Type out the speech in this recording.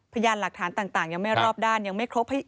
พยานหลักฐานต่างยังไม่รอบด้านยังไม่ครบ